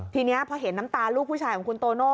ทีนี้พอเห็นน้ำตาลูกผู้ชายของคุณโตโน่